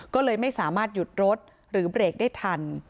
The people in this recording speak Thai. ก็เลยไม่สามารถหยุดรถหรือเบรกได้ทัน